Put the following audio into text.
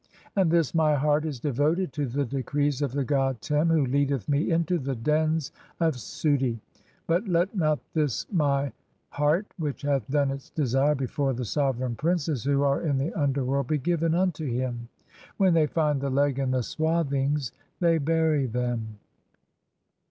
And "this my heart (hati) is devoted to the decrees of the god Tern "who leadeth me into the (8) dens of Suti, but let not this my "heart which hath done its desire before the sovereign princes "who are in the underworld be given unto him. When thev "find the leg and the swathings (9) they bury them."